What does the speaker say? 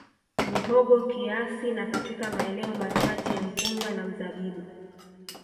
Muhogo kiasi na katika maeneo machache mpunga na mzabibu